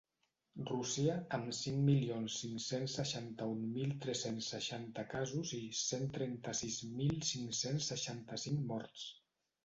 Rússia, amb cinc milions cinc-cents seixanta-un mil tres-cents seixanta casos i cent trenta-sis mil cinc-cents seixanta-cinc morts.